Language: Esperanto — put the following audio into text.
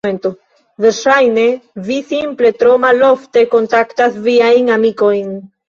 Verŝajne vi simple tro malofte kontaktas viajn amikojn.